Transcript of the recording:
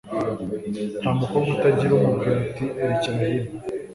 nta mukobwa utagira umubwira ati erecyera hino